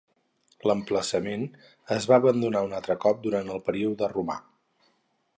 L"emplaçament es va abandonar un altre cop durant el període romà.